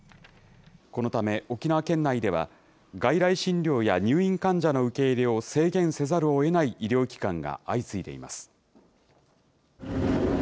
このため沖縄県内では、外来診療や入院患者の受け入れを制限せざるをえない医療機関が相次いでいます。